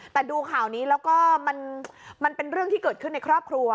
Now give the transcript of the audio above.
แต่ดูข่าวนี้แล้วก็มันเป็นเรื่องที่เกิดขึ้นในครอบครัว